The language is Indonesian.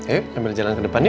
ayo ambil jalan ke depan ya